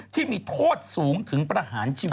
ที่มีโทษสูงถึงประหารชีวิต